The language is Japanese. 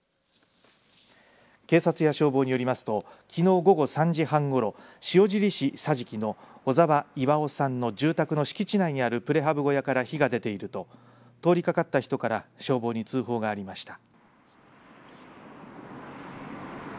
警察や消防によりますときのう午後３時半ごろ、塩尻市桟敷の小澤巌さんの住宅の敷地内にあるプレハブ小屋から火が出ていると通りがかった人から消防に通報がありました。